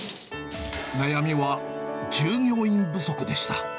悩みは従業員不足でした。